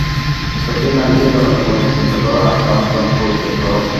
প্রত্যেক নারীকে জননী বলিয়া চিন্তা কর, আর কাঞ্চন পরিত্যাগ কর।